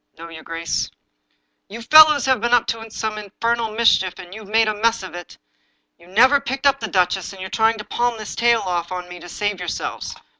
"" No, your grace." " You fellows have been up to some infernal mischief. You have made a mess of it. You never picked up the duchess, and you're trying to palm this tale off on me to save yourselves."